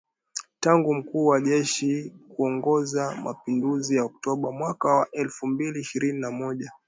tangu mkuu wa jeshi kuongoza mapinduzi ya Oktoba mwaka wa elfu mbili ishirini na moja.